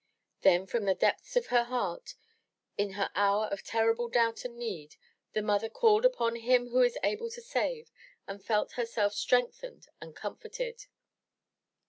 Then from the depths of her heart, in her hour of terrible doubt and need, the mother called upon Him who is able to save, and felt herself strengthened and comforted.